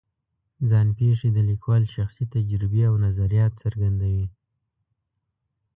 ځان پېښې د لیکوال شخصي تجربې او نظریات څرګندوي.